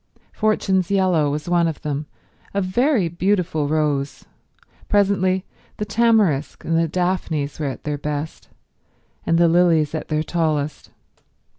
Fortune's Yellow was one of them; a very beautiful rose. Presently the tamarisk and the daphnes were at their best, and the lilies at their tallest.